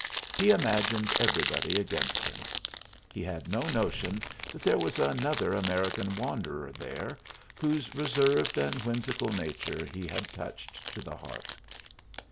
He imagined everybody against him. He had no notion that there was another American wanderer there, whose reserved and whimsical nature he had touched to the heart.